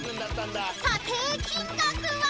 ［査定金額は？］